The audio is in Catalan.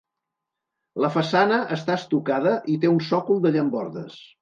La façana està estucada i té un sòcol de llambordes.